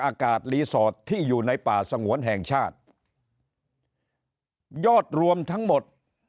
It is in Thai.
อากาศรีสอร์ทที่อยู่ในป่าสงวนแห่งชาติยอดรวมทั้งหมด